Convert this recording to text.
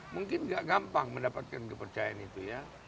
mungkin gak gampang mendapatkan kepercayaan itu ya